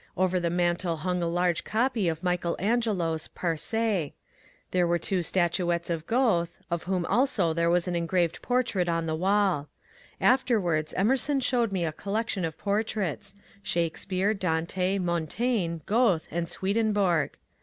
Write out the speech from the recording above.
Over the mantle hung a large copy of Michael Angelo's " Parcte ;" there were two statuettes of Goethe, of whom also there was an engraved portrait on the walL After wards Emerson showed me a collection of portraits — Shake speare, Dante, Montaigne, Goethe, and Swedenborg.